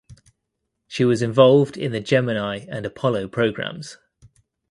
She was involved in the Gemini and Apollo programs.